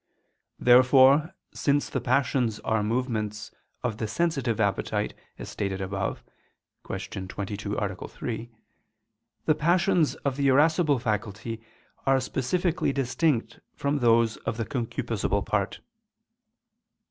Therefore, since the passions are movements of the sensitive appetite, as stated above (Q. 22, A. 3), the passions of the irascible faculty are specifically distinct from those of the concupiscible part.